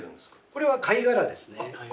これは貝殻ですね。